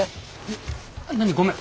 何ごめん。